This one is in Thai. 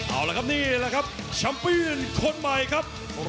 เอาละครับนี่แหละครับแชมเปญคนใหม่ครับ